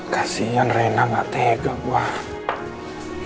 kasian rena gak tega gue